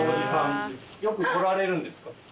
よく来られるんですか？